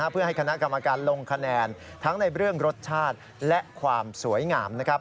เพื่อให้คณะกรรมการลงคะแนนทั้งในเรื่องรสชาติและความสวยงาม